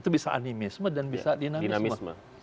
itu bisa animisme dan bisa dinamisme